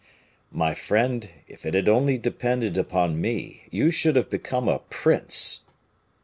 "My friend, if it had only depended upon me, you should have become a prince."